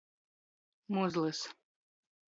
Muzlys.